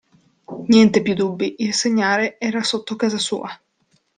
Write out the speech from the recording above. Niente più dubbi, il segnale era sotto casa sua.